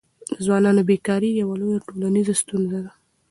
د ځوانانو بېکاري یوه لویه ټولنیزه ستونزه ده.